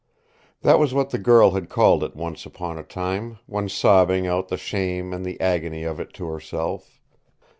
That was what the girl had called it once upon a time, when sobbing out the shame and the agony of it to herself.